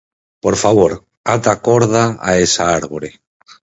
Por favor, ata a corda a esa árbore.